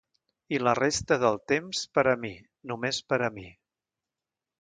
I la resta del temps per a mi, només per a mi...